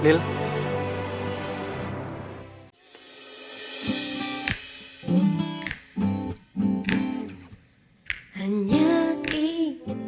lil tunggu gue dulu